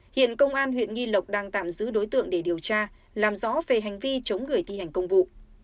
hiện công an huyện nghi lộc đang tạm giữ đối tượng để điều tra làm rõ về hành vi chống người thi hành công vụ